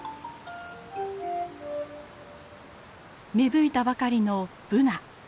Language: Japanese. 芽吹いたばかりのブナ。